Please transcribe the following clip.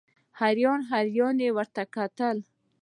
حیران حیران یې ورته کتل.